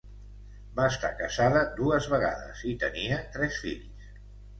Va estar casada dues vegades i tenia tres fills.